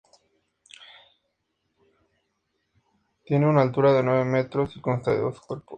De planta circular, tiene una altura de nueve metros y consta de dos cuerpos.